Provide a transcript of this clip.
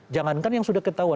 jangankan yang sudah ketahuan